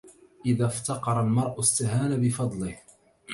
إذا افتقر المرء استهان بفضله